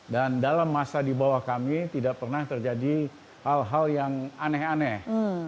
dan dalam masa di bawah kami tidak pernah terjadi hal hal yang aneh aneh